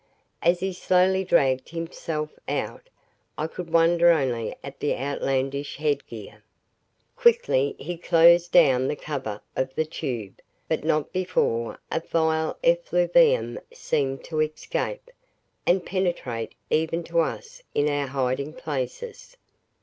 As he slowly dragged himself out, I could wonder only at the outlandish headgear. Quickly he closed down the cover of the tube, but not before a vile effluvium seemed to escape, and penetrate even to us in our hiding places.